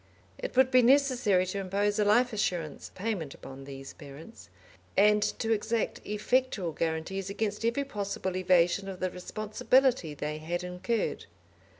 It would be necessary to impose a life assurance payment upon these parents, and to exact effectual guarantees against every possible evasion of the responsibility they had incurred.